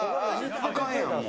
あかんやん、もう。